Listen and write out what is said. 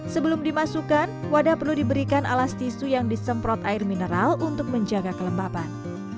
sebelum dimasukkan wadah perlu diberikan alas tisu yang disemprot air mineral untuk menjaga kelembaban